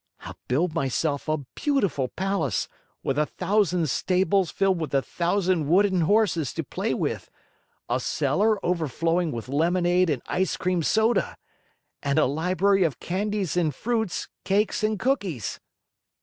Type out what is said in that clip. I'll build myself a beautiful palace, with a thousand stables filled with a thousand wooden horses to play with, a cellar overflowing with lemonade and ice cream soda, and a library of candies and fruits, cakes and cookies."